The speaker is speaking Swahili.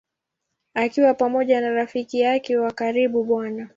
Akiwa pamoja na rafiki yake wa karibu Bw.